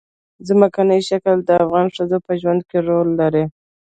ځمکنی شکل د افغان ښځو په ژوند کې رول لري.